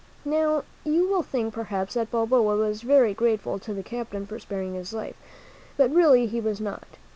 Now, you will think, perhaps, that Balboa was very grateful to the captain for sparing his life, but really he was not.